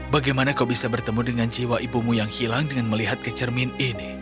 bagaimana kau bisa bertemu dengan jiwa ibumu yang hilang dengan melihat kecermin ini